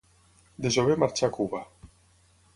De jove marxà a Cuba.